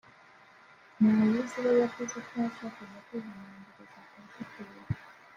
Mlauzi we yavuzeko yashakaga kwihanangiriza Pasiteri